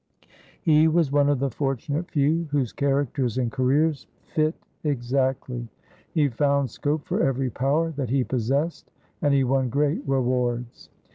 He was one of the fortunate few whose characters and careers fit exactly. He found scope for every power that he possessed and he won great rewards.